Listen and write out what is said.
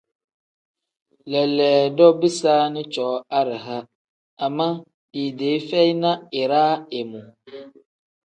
Leleedo bisaani cooo araha ama liidee feyi na iraa imu.